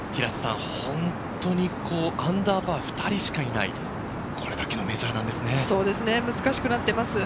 本当に、アンダーパー２人しかいない、これだけのメジャーなんで難しくなっています。